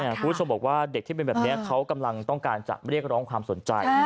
คุณผู้ชมบอกว่าเด็กที่เป็นแบบนี้เขากำลังต้องการจะเรียกร้องความสนใจ